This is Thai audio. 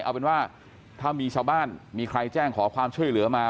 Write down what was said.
เอาเป็นว่าถ้ามีชาวบ้านมีใครแจ้งขอความช่วยเหลือมา